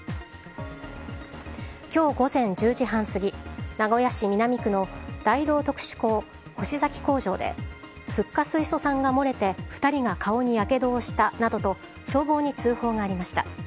今日午前１０時半過ぎ名古屋市南区の大同特殊鋼星崎工場でフッ化水素酸が漏れて２人が顔にやけどをしたなどと消防に通報がありました。